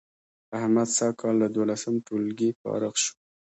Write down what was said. احمد سږ کال له دولسم ټولگي فارغ شو